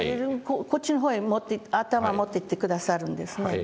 こっちの方へ頭を持っていって下さるんですね。